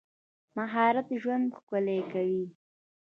مهارت ژوند ښکلی کوي.